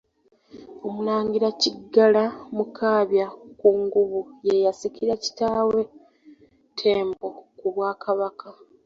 OMULANGIRA Kiggala Mukaabya Kkungubu ye yasikira kitaawe Ttembo ku Bwakabaka.